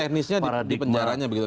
teknisnya di penjaranya begitu